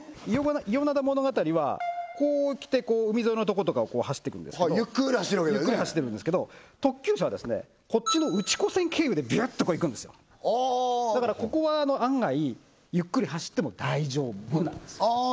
伊予灘ものがたりはこう来てこう海沿いのとことかを走っていくんですけどゆっくり走るわけだよねゆっくり走ってるんですけど特急車はこっちの内子線経由でビュッとこう行くんですよだからここは案外ゆっくり走っても大丈夫なんですよああ